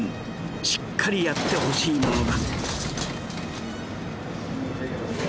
しっかりやってほしいものだ